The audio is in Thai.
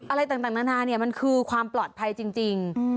อะไรต่างนานาเนี่ยมันคือความปลอดภัยจริง